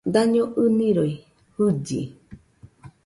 Daño ɨnɨroi jɨlli